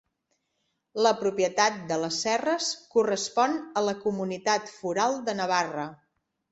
La propietat de les serres correspon a la Comunitat Foral de Navarra.